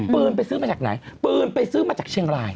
ปืนไปซื้อมาจากไหนปืนไปซื้อมาจากเชียงราย